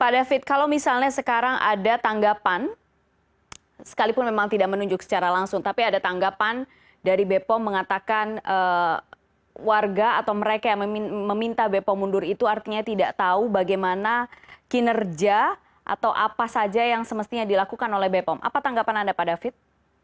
pak david kalau misalnya sekarang ada tanggapan sekalipun memang tidak menunjuk secara langsung tapi ada tanggapan dari bepom mengatakan warga atau mereka yang meminta bepom mundur itu artinya tidak tahu bagaimana kinerja atau apa saja yang semestinya dilakukan oleh bepom apa tanggapan anda pak david